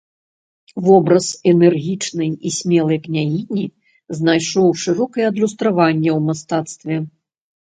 Вобраз энергічнай і смелай княгіні знайшоў шырокае адлюстраванне ў мастацтве.